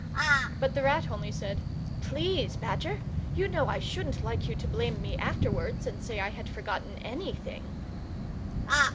But the Rat only said, "please, Badger. You know I shouldn't like you to blame me afterwards and say I had forgotten _anything!